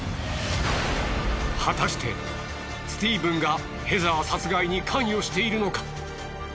果たしてスティーブンがヘザー殺害に関与しているのか？